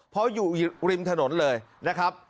เพราะอยู่ริมถนนเลยนะครับ